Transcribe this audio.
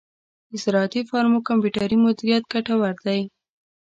د زراعتی فارمو کمپیوټري مدیریت ګټور دی.